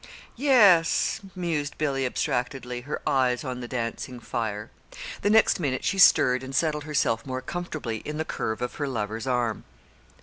"Yes," mused Billy, abstractedly, her eyes on the dancing fire. The next minute she stirred and settled herself more comfortably in the curve of her lover's arm.